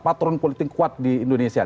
patron politik kuat di indonesia